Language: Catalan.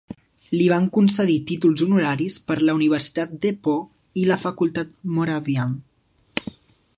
Li van concedir títols honoraris per la Universitat DePauw i la Facultat Moravian.